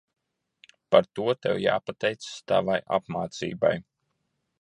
Par to jāpateicas tavai apmācībai.